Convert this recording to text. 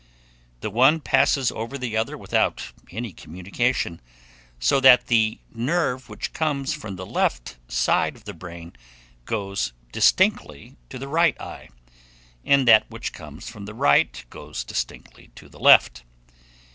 The one passes over the other without any communication; so that the nerve which comes from the left side of the brain goes distinctly to the right eye, and that which comes from the right goes distinctly to the left.